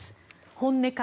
本音か？